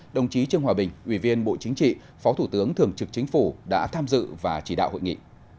đồng chí trương hòa bình ủy viên bộ chính trị phó thủ tướng thường trực chính phủ đã tham dự và chỉ đạo hội nghị